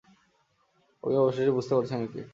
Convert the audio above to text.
আমি অবশেষে বুঝতে পারছি আমি কে।